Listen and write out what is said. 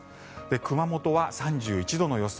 熊本は３１度の予想